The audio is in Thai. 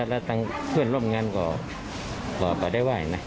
แล้วทางเพื่อนร่วมงานก็ได้ไหว้นะ